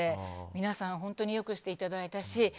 皆さん、本当に良くしていただいたし。